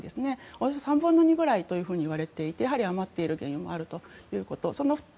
およそ３分の２ぐらいといわれていてやはり余っている原油があると。